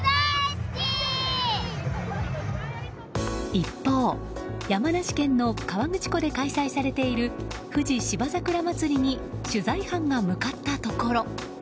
一方、山梨県の河口湖で開催されている富士芝桜まつりに取材班が向かったところ。